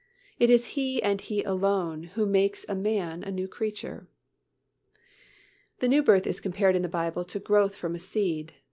It is He and He alone who makes a man a new creature. The new birth is compared in the Bible to growth from a seed.